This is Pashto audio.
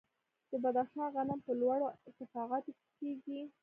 د بدخشان غنم په لوړو ارتفاعاتو کې کیږي.